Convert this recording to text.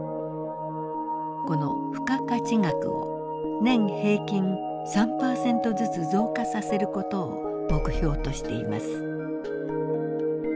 この付加価値額を年平均３％ずつ増加させることを目標としています。